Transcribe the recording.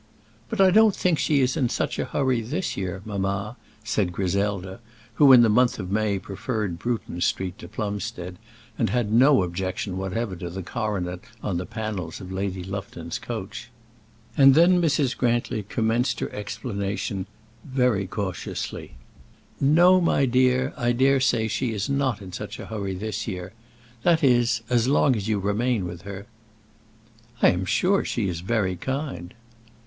"But I don't think she is in such a hurry this year, mamma," said Griselda, who in the month of May preferred Bruton Street to Plumstead, and had no objection whatever to the coronet on the panels of Lady Lufton's coach. And then Mrs. Grantly commenced her explanation very cautiously. "No, my dear, I daresay she is not in such a hurry this year, that is, as long as you remain with her." "I am sure she is very kind."